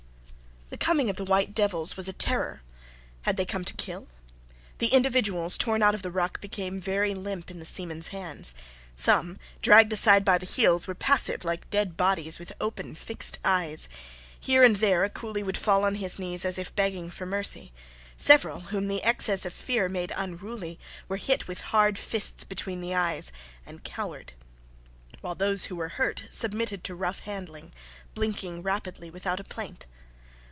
The coming of the white devils was a terror. Had they come to kill? The individuals torn out of the ruck became very limp in the seamen's hands: some, dragged aside by the heels, were passive, like dead bodies, with open, fixed eyes. Here and there a coolie would fall on his knees as if begging for mercy; several, whom the excess of fear made unruly, were hit with hard fists between the eyes, and cowered; while those who were hurt submitted to rough handling, blinking rapidly without a plaint.